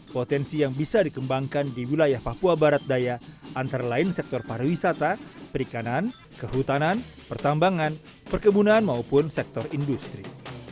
potensi yang bisa dikembangkan di wilayah papua barat daya antara lain sektor pariwisata perikanan kehutanan pertambangan perkebunan maupun sektor industri